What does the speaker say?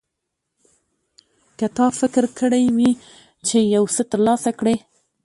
که تا فکر کړی وي چې یو څه ترلاسه کړې.